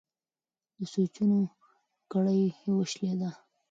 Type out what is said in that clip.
د سوچونو کړۍ یې وشلېده.